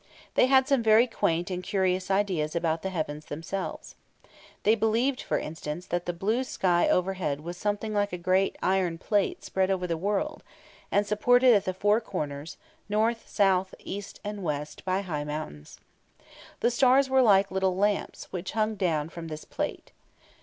They had some very quaint and curious ideas about the heavens themselves. They believed, for instance, that the blue sky overhead was something like a great iron plate spread over the world, and supported at the four corners, north, south, east, and west, by high mountains. The stars were like little lamps, which hung down from this plate.